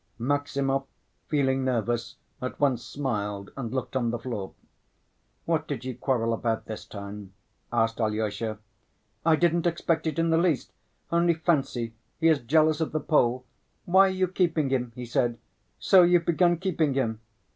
Maximov, feeling nervous, at once smiled and looked on the floor. "What did you quarrel about this time?" asked Alyosha. "I didn't expect it in the least. Only fancy, he is jealous of the Pole. 'Why are you keeping him?' he said. 'So you've begun keeping him.